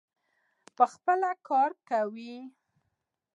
پخپله کار وکړي.